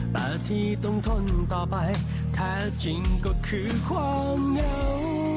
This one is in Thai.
แต่ที่ต้องทนต่อไปแท้จริงก็คือความเหงา